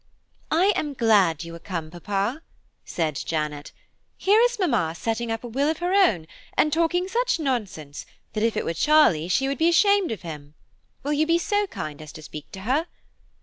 "I am glad you are come, papa," said Janet; "here is mamma setting up a will of her own, and talking such nonsense that if it were Charlie she would be ashamed of him. Will you be so kind as to speak to her?"